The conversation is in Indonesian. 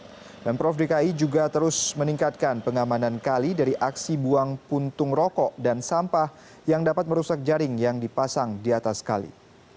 dan pemprov dki juga terus meningkatkan pengamanan kali dari aksi buang puntung rokok dan sampah yang dapat merusak jaring yang dipasang di atas kali